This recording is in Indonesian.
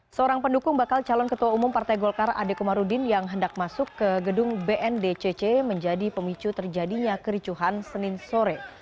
seorang pendukung bakal calon ketua umum partai golkar adekomarudin yang hendak masuk ke gedung bndcc menjadi pemicu terjadinya kericuhan senin sore